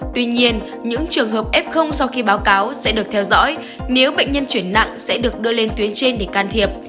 tuy nhiên những trường hợp f sau khi báo cáo sẽ được theo dõi nếu bệnh nhân chuyển nặng sẽ được đưa lên tuyến trên để can thiệp